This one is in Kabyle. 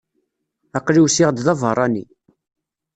Aql-i usiɣ-d d abeṛṛani.